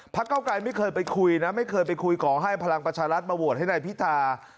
เก้าไกรไม่เคยไปคุยนะไม่เคยไปคุยขอให้พลังประชารัฐมาโหวตให้นายพิธา